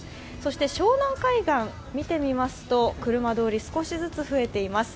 湘南海岸見てみますと、車通り少しずつ増えています。